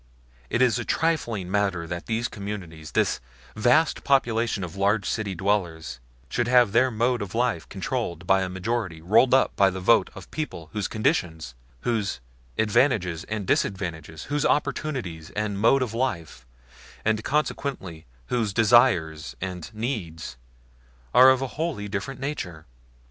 Is it a trifling matter that these great communities, this vast population of large city dwellers, should have their mode of life controlled by a majority rolled up by the vote of people whose conditions, whose advantages and disadvantages, whose opportunities and mode of life, and consequently whose desires and needs, are of a wholly different nature?